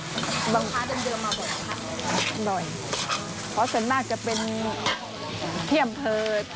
เพราะส่วนมากจะเป็นที่อำเภอ